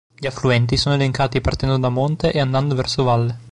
Gli affluenti sono elencati partendo da monte e andando verso valle.